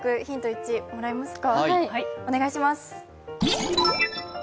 １、もらいますか。